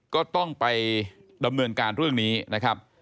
ก็ต้องไปดำเนินการเรื่องนี้นะครับ